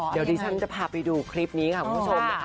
เดี๋ยวดิฉันจะพาไปดูคลิปนี้ค่ะคุณผู้ชมนะคะ